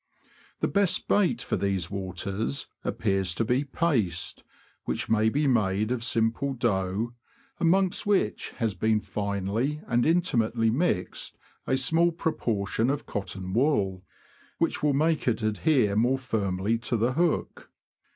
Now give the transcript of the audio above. The best bait for these waters appears to be paste, which may be made of simple dough, amongst which has been finely and intimately mixed a small proportion of cotton wool, which will make it adhere more firmly to the hook.